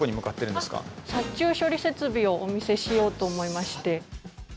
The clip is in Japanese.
殺虫処理設備をお見せしようと思いまして。